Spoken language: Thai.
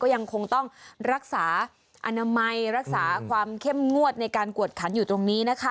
ยังคงต้องรักษาอนามัยรักษาความเข้มงวดในการกวดขันอยู่ตรงนี้นะคะ